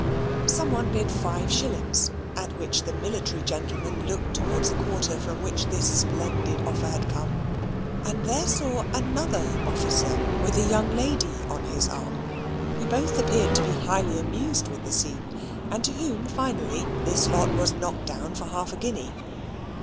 Some one bid five shillings, at which the military gentleman looked towards the quarter from which this splendid offer had come, and there saw another officer with a young lady on his arm, who both appeared to be highly amused with the scene, and to whom, finally, this lot was knocked down for half a guinea.